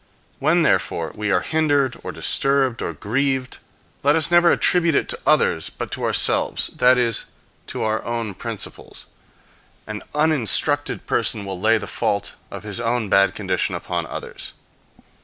When therefore we are hindered, or disturbed, or grieved, let us never attribute it to others, but to ourselves; that is, to our own principles. An uninstructed person will lay the fault of his own bad condition upon others.